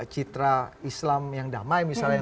citra islam yang damai misalnya